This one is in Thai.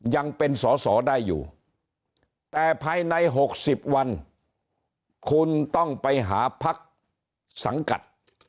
ยังเป็นสอสอได้อยู่แต่ภายใน๖๐วันคุณต้องไปหาพักสังกัด